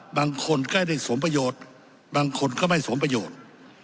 บางคนก็ได้สมประโยชน์บางคนก็ไม่สมประโยชน์